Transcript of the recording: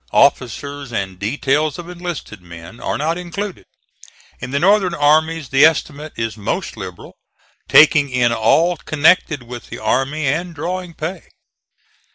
Officers and details of enlisted men are not included. In the Northern armies the estimate is most liberal, taking in all connected with the army and drawing pay.